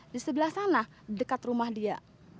di sebelah sana dekat rumah dia